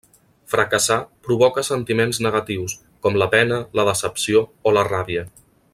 Fracassar provoca sentiments negatius, com la pena, la decepció o la ràbia.